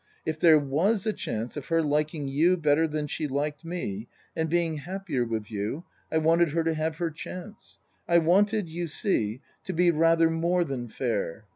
If there was a chance of her liking you better than she liked me, and being happier with you, I wanted her to have her chance. I wanted, you see, to be rather more than fair.